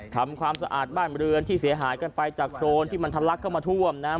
ทำความสะอาดบ้านเรือนที่เสียหายกันไปจากโครนที่มันทะลักเข้ามาท่วมนะครับ